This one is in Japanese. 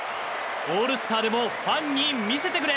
オールスターでもファンに見せてくれ！